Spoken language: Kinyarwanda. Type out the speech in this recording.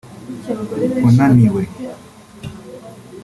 unaniwe